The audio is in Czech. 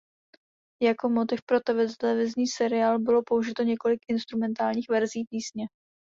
Jako motiv pro televizní seriál bylo použito několik instrumentálních verzí písně.